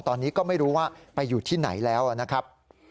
ตอนนี้ก็ไม่รู้ว่าไปอยู่ที่ไหนแล้วนะครับ